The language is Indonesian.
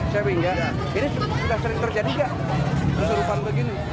sewing ya ini sudah sering terjadi nggak kesurupan begini